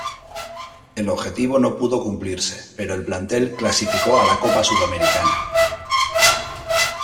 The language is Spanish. El objetivo no pudo cumplirse pero el plantel clasificó a la Copa Sudamericana.